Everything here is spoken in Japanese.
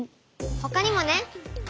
ほかにもね。